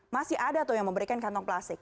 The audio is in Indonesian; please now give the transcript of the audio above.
masih ada tuh yang memberikan kantong plastik